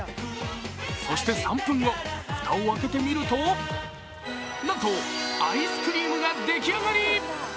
そして３分後、蓋を開けてみるとなんとアイスクリームが出来上がり。